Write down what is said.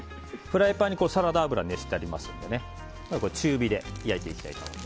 フライパンにサラダ油を熱してありますので中火で焼いていきます。